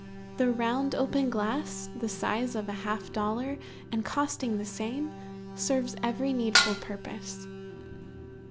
The round open glass, the size of a half dollar, and costing the same, serves every needful purpose.